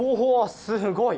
すごい！